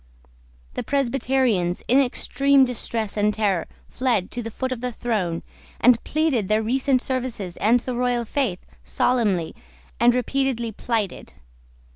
The Presbyterians, in extreme distress and terror, fled to the foot of the throne, and pleaded their recent services and the royal faith solemnly and repeatedly plighted.